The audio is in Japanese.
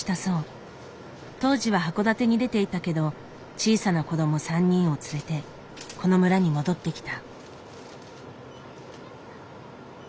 当時は函館に出ていたけど小さな子ども３人を連れてこの村に戻ってきた。